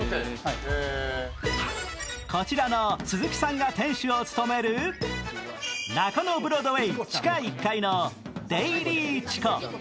こちらの鈴木さんが店主を務める、中野ブロードウェイ地下１階のデイリーチコ。